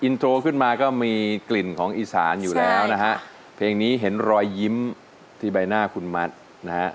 อินโทรขึ้นมาก็มีกลิ่นของอีสานอยู่แล้วนะฮะเพลงนี้เห็นรอยยิ้มที่ใบหน้าคุณมัดนะฮะ